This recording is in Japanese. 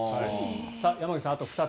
山口さん、あと２つ。